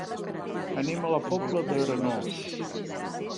Anem a la Pobla d'Arenós.